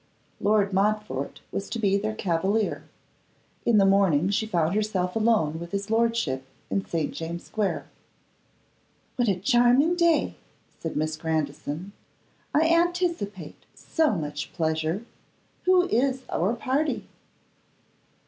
Lord Montfort was to be their cavalier. In the morning she found herself alone with his lordship in St. James' square. 'What a charming day!' said Miss Grandison. 'I anticipate so much pleasure! Who is our party?